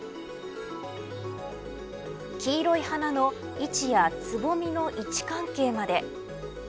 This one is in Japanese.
黄色い花の位置やつぼみの位置関係まで。